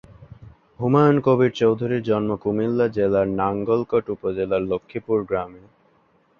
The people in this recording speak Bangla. হুমায়ুন কবীর চৌধুরীর জন্ম কুমিল্লা জেলার নাঙ্গলকোট উপজেলার লক্ষ্মীপুর গ্রামে।